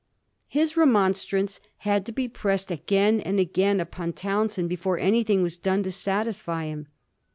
His remonstrance had to be pressed again and again upon Townshend before anything was done to satisfy him.